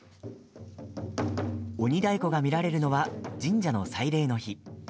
鬼太鼓が見られるのは神社の祭礼の日。